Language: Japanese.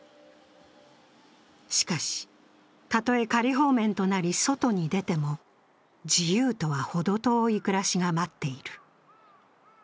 しかし、たとえ仮放免となり外に出ても自由とは、ほど遠い暮らしが待っている。